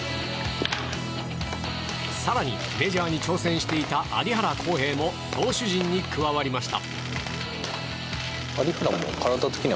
更に、メジャーに挑戦していた有原航平も投手陣に加わりました。